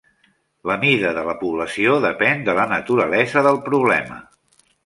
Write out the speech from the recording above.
La mida de la població depèn de la naturalesa del problema.